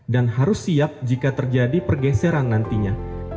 dan harus siap jika terjadi pergeseran nantinya